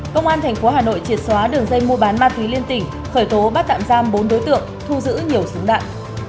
công an thành phố hà nội triệt xóa đường dây mua bán ma thí liên tỉnh khởi tố bắt tạm giam bốn đối tượng thu giữ nhiều súng đạn